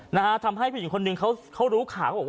นะฮะทำให้ผิดคนหนึ่งเขาเขารู้ข่าวว่าเอ๊ะ